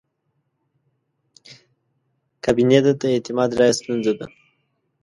کابینې ته د اعتماد رایه ستونزه ده.